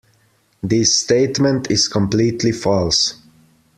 This statement is completely false.